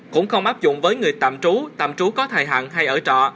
cũng không áp dụng với người tạm trú tạm trú có thời hạn hay ở trọ